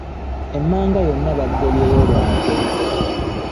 Emmanga yonna baakugobayo lwa nkwe.